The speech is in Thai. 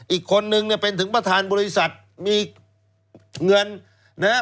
อีกคนนึงเนี่ยเป็นถึงประธานบริษัทมีเงินนะครับ